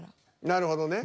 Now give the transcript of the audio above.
なるほどね。